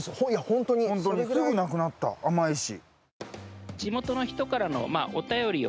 本当にすぐなくなった、甘いし。